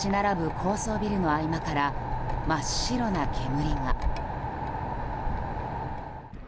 高層ビルの合間から真っ白な煙が。